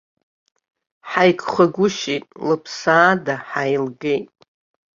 Ҳаиқәхагәышьеит, лыԥсаада ҳаилгеит!